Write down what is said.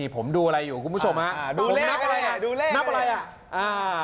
ผมดูอะไรอยู่คุณผู้ชมนะดูเลขอะไรน่ะ